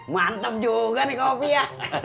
mantep juga nih kopi ya